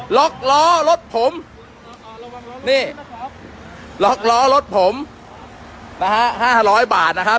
ล็อกล้อรถผมนี่ล็อกล้อรถผมนะฮะ๕๐๐บาทนะครับ